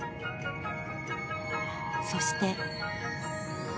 そして。